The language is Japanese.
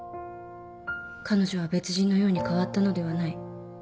彼女は別人のように変わったのではない。